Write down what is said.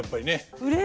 うれしい！